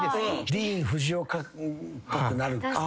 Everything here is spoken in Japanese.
ディーン・フジオカっぽくなる。